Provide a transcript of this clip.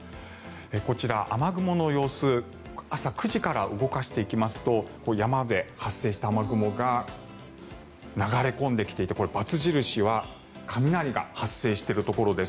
こちら、雨雲の様子朝９時から動かしていきますと山で発生した雨雲が流れ込んできていて、バツ印は雷が発生しているところです。